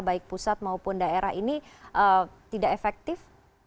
baik pusat maupun daerah ini tidak efektif